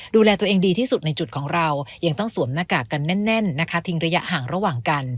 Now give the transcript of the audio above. ดูแลตัวเองดีที่สุดในจุดของเรายังต้องสวมหน้ากากกันแน่นนะคะทิ้งระยะห่างระหว่างกัน